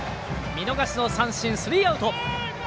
見逃し三振、スリーアウト！